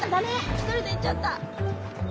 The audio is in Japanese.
１人で行っちゃった。